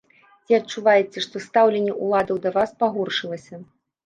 Ці адчуваеце, што стаўленне ўладаў да вас пагоршылася?